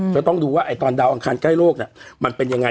ก็ต้องดูว่าตอนดาวอังคารใกล้โลกมันเป็นยังไง